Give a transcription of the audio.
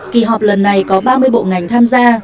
kỳ họp lần này có ba mươi bộ ngành tham gia